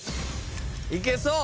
いけそう！